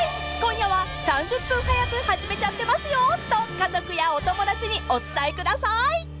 ［今夜は３０分早く始めちゃってますよと家族やお友達にお伝えください］